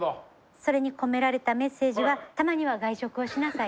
それに込められたメッセージは「たまには外食をしなさい」。